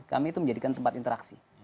kami itu menjadikan tempat interaksi